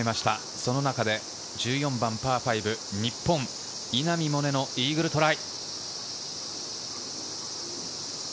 その中で１４番パー５、日本・稲見萌寧のイーグルトライ。